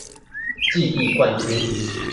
記憶冠軍